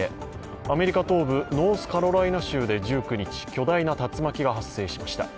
アメリカ東部ノースカロライナ州で１９日、巨大な竜巻が発生しました。